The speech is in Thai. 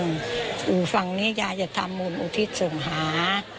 อยู่ฝั่งนี้ยายจะทำมูลอุทิศสงหา